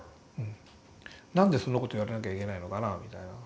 なんでそんなこと言われなきゃいけないのかなみたいな。